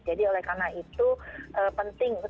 jadi oleh karena itu penting